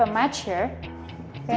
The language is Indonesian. kita harus punya pertempuran di sini